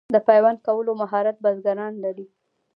د پیوند کولو مهارت بزګران لري.